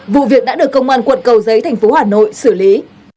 vụ việc đã được công an quận cầu giấy tp hà nội xử lý